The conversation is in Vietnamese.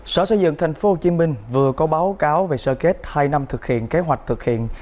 sở xây dựng tp hcm vừa có báo cáo về sơ kết hai năm thực hiện kế hoạch thực hiện